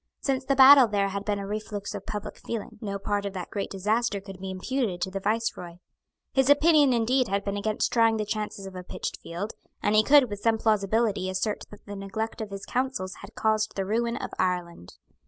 Since the battle there had been a reflux of public feeling. No part of that great disaster could be imputed to the Viceroy. His opinion indeed had been against trying the chances of a pitched field, and he could with some plausibility assert that the neglect of his counsels had caused the ruin of Ireland.